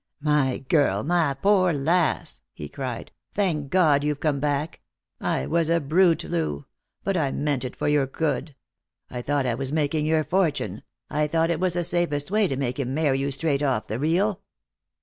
<; My girl, my poor lass !" he cried. " Thank God, you've come back. I was a brute, Loo : but I meant it for your good. I thought I was making your fortune ; I thought it was the safest way to make him marry you straight off the reel."